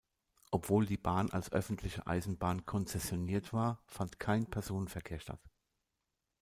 Obwohl die Bahn als öffentliche Eisenbahn konzessioniert war, fand kein Personenverkehr statt.